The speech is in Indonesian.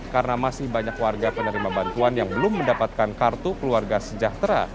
karena masih banyak warga penerima bantuan yang belum mendapatkan kartu keluarga sejahtera